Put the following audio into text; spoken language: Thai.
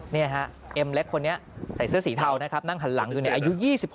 นี่ฮะเอ็มเล็กคนนี้ใส่เสื้อสีเทานะครับนั่งหันหลังอยู่ในอายุ๒๖